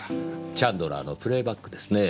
チャンドラーの『プレイバック』ですね。